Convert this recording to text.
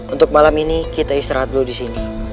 untuk malam ini kita istirahat dulu disini